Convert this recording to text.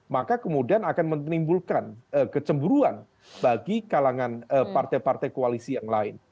maka kemudian akan menimbulkan kecemburuan bagi kalangan partai partai koalisi yang lain